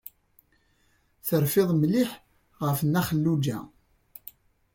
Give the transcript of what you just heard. Terfiḍ mliḥ ɣef Nna Xelluǧa.